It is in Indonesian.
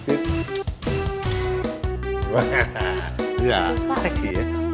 apa sujatan begitu sakit ya sakit